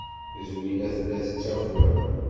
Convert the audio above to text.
Zwina tella tettaker.